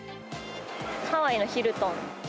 ハワイのヒルトン。